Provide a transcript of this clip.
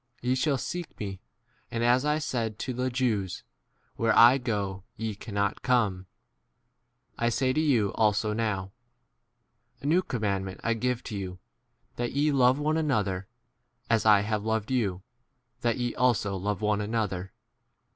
Ye shall seek me ; and, as I said to the Jews, Where I* go ye* cannot come, I say to you also now. 34 A new commandment I give to you, that ye love one another ; as I have loved you, that ye* also 35 love one another.